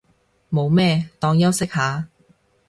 冇咩，當休息下